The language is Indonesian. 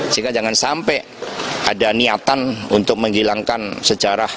sehingga jangan sampai ada niatan untuk menghilangkan sejarah